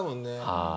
はい。